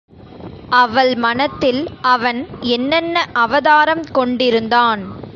அவள் மனத்தில் அவன் என்னென்ன அவதாரம் கொண்டிருந்தான்?